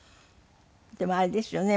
でもあれですよね